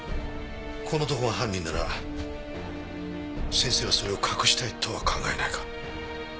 この男が犯人なら先生はそれを隠したいとは考えないか？